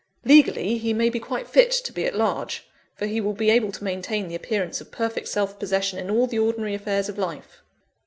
Legally, he may be quite fit to be at large; for he will be able to maintain the appearance of perfect self possession in all the ordinary affairs of life.